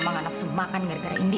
kamu nggak nafsu makan gara gara indi